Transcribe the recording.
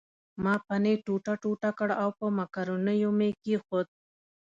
ما پنیر ټوټه ټوټه کړ او په مکرونیو مې کښېښود.